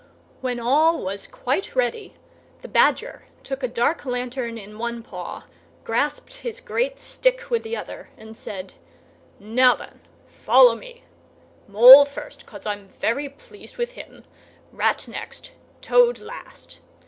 _" When all was quite ready, the Badger took a dark lantern in one paw, grasped his great stick with the other, and said, "Now then, follow me! Mole first, "cos I'm very pleased with him; Rat next; Toad last.